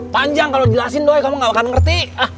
panjang kalau jelasin doi kamu nggak akan ngerti